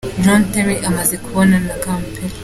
John Terry amaze kubonana na Capello.